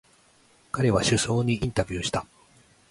彼は首相にインタビューした。